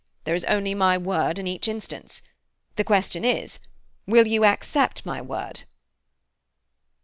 There is only my word in each instance. The question is—Will you accept my word?"